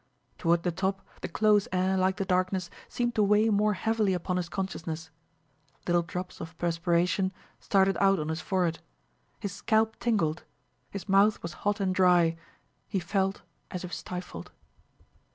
Toward the top the close air, like the darkness, seemed to weigh more heavily upon his consciousness; little drops of perspiration started out on his forehead, his scalp tingled, his mouth was hot and dry, he felt as if stifled.